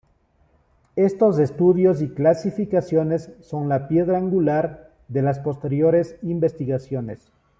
Estos estudios y clasificaciones son la piedra angular de las posteriores investigaciones.